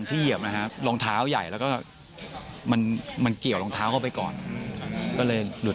เหยียบนะครับรองเท้าใหญ่แล้วก็มันเกี่ยวรองเท้าเข้าไปก่อนก็เลยหลุด